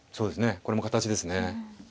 これも形ですね。